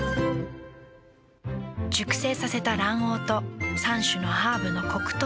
熟成させた卵黄と３種のハーブのコクとうま味。